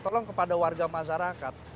tolong kepada warga masyarakat